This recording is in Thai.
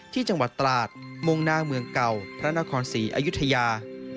ที่จังหวัดตราดมุ่งหน้าเมืองเก่าพระนครศรีอยุธยา